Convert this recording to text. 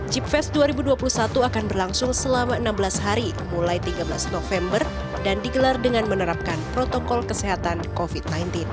jipfest dua ribu dua puluh satu akan berlangsung selama enam belas hari mulai tiga belas november dan digelar dengan menerapkan protokol kesehatan covid sembilan belas